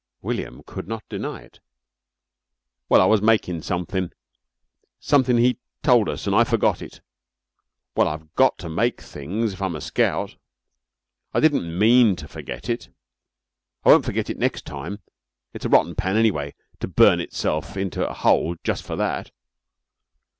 William could not deny it. "Well, I was makin' sumthin', sumthin' he'd told us an' I forgot it. Well, I've got to make things if I'm a scout. I didn't mean to forget it. I won't forget it next time. It's a rotten pan, anyway, to burn itself into a hole jus' for that."